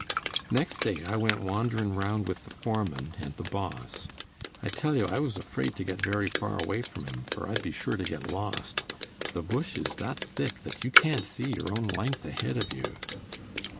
Next day I went wanderin' 'round with the foreman and the Boss. I tell you I was afraid to get very far away from 'em, for I'd be sure to get lost; the bush is that thick that you can't see your own length ahead of you.